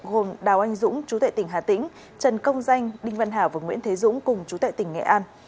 gồm đào anh dũng chú tệ tỉnh hà tĩnh trần công danh đinh văn hảo và nguyễn thế dũng cùng chú tệ tỉnh nghệ an